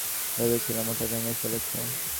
ভেবেছিলাম ওটা ভেঙ্গে ফেলেছ।